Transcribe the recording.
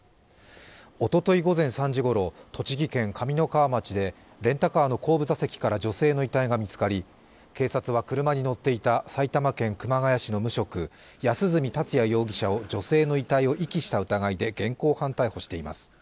おととい午前３時ごろ、栃木県上三川町でレンタカーの後部座席から女性の遺体が見つかり警察は車に乗っていた埼玉県熊谷市の無職、安栖達也容疑者を女性の遺体を遺棄した疑いで現行犯逮捕しています。